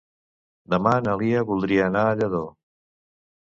Demà na Lia voldria anar a Lladó.